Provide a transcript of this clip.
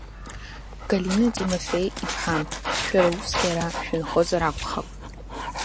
Галина Тимофеи-иԥҳа, шәара усгьы ара шәынхозар акәхап…